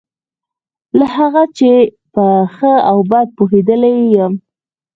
له هغه چې په ښه او بد پوهېدلی یم.